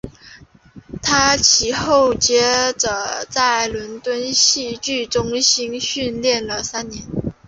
他其后接着在伦敦戏剧中心训练了三年。